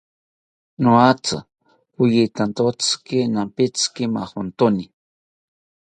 Niatzi poyitantziki nampitzi majontoni